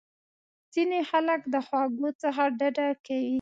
ځینې خلک د خوږو څخه ډډه کوي.